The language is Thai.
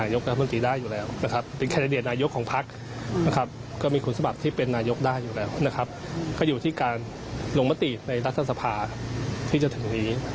อยู่แล้วนะครับเขาอยู่ที่การลงมติดในรัฐสภาที่จะถึงนี้